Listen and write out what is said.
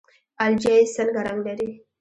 الجی څه رنګ لري؟